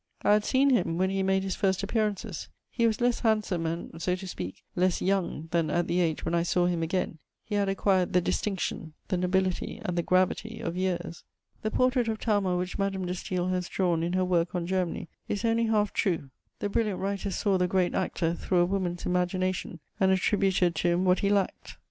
I had seen him when he made his first appearances; he was less handsome and, so to speak, less young than at the age when I saw him again: he had acquired the distinction, the nobility, and the gravity of years. The portrait of Talma which Madame de Staël has drawn in her work on Germany is only half true: the brilliant writer saw the great actor through a woman's imagination, and attributed to him what he lacked.